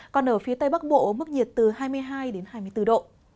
còn ở phía tây bắc bộ mức nhiệt từ hai mươi hai đến hai mươi bốn độ